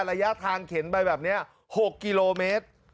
ระยะทางเข็นไปแบบนี้๖กิโลเมตร